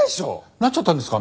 なっちゃったんですか？